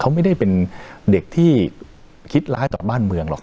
เขาไม่ได้เป็นเด็กที่คิดร้ายต่อบ้านเมืองหรอก